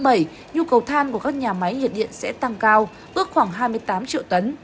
năm hai nghìn bảy nhu cầu than của các nhà máy nhiệt điện sẽ tăng cao bước khoảng hai mươi tám triệu tấn